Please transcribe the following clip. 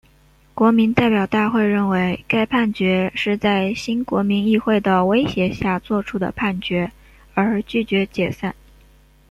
国民代表大会认为该判决是在新国民议会的威胁下所做出的判决而拒绝解散。